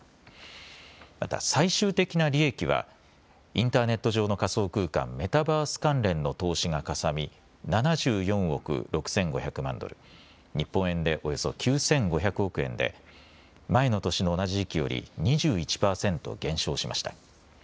また最終的な利益はインターネット上の仮想空間、メタバース関連の投資がかさみ７４億６５００万ドル、日本円でおよそ９５００億円で前の年の同じ時期より２１％減少しました。